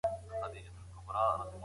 که وخت وي، ږغ اورم.